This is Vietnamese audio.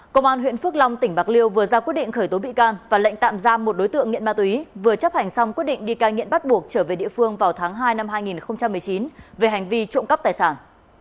công an huyện phước long tỉnh bạc liêu vừa ra quyết định khởi tố bị can và lệnh tạm giam một đối tượng nghiện ma túy vừa chấp hành xong quyết định đi cai nghiện bắt buộc trở về địa phương vào tháng hai năm hai nghìn một mươi chín về hành vi trộm cắp tài sản